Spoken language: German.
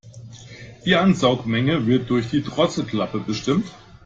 Die Ansaugmenge wird durch die Drosselklappe bestimmt.